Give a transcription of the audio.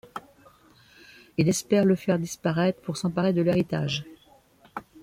Il espère le faire disparaître pour s'emparer de l'héritage.